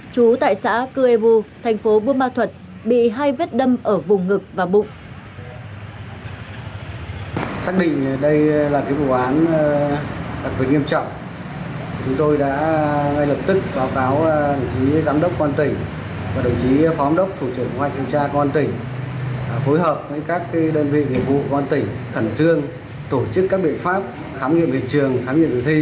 chú tại xã cư ê vu thành phố bùa ma thuật bị hai vết đâm ở vùng ngực và bụng